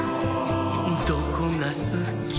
「どこがすき？」